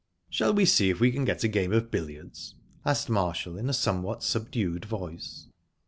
"Shall we see if we can get a game of billiards?" asked Marshall, in a somewhat subdued voice.